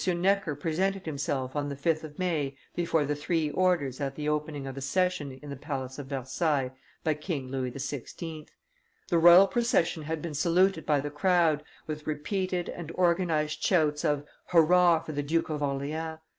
Necker presented himself on the 5th of May before the three orders at the opening of the session in the palace of Versailles by King Louis XVI. The royal procession had been saluted by the crowd with repeated and organized shouts of "Hurrah for the Duke of Orleans!"